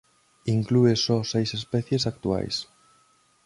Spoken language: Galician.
Inclúe só seis especies actuais.